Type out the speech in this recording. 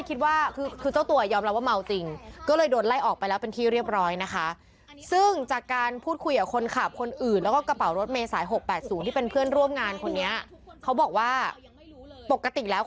คนขับรถเมย์เนี่ยคือรถสาธารณะเขาห้ามดื่มแอลกอฮอล์อยู่แล้ว